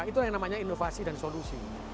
itu yang namanya inovasi dan solusi